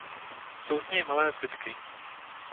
Jsou z něj malé zbytky.